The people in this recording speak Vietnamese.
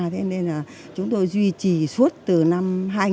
thế nên là chúng tôi duy trì suốt từ năm hai nghìn